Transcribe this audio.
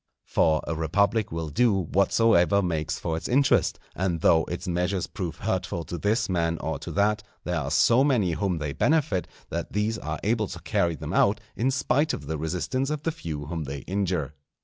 For a republic will do whatsoever makes for its interest; and though its measures prove hurtful to this man or to that, there are so many whom they benefit, that these are able to carry them out, in spite of the resistance of the few whom they injure.